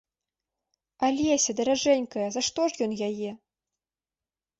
Алеся, даражэнькая за што ж ён яе?